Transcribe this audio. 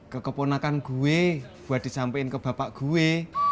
ke keponakan gue buat disamping ke bapak gue